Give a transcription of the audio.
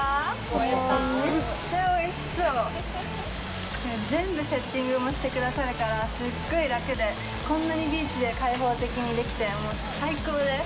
これ全部セッティングもしてくださるからすっごい楽でこんなにビーチで開放的にできてもう最高です。